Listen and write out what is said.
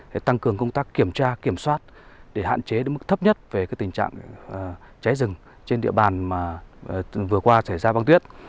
để tăng cường công tác kiểm tra kiểm soát để hạn chế đến mức thấp nhất về tình trạng cháy rừng trên địa bàn mà vừa qua xảy ra băng tuyết